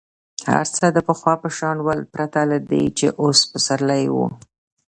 هر څه د پخوا په شان ول پرته له دې چې اوس پسرلی وو.